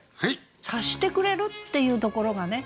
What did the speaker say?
「察してくれる」っていうところがね